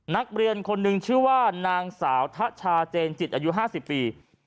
นักเรียนคนหนึ่งชื่อว่านางสาวทะชาเจนจิตอายุ๕๐ปี